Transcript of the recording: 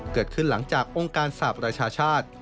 เกิดขึ้นหลังจากองค์การสาปราชาชาติ